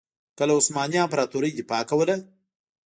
که له عثماني امپراطورۍ دفاع کوله.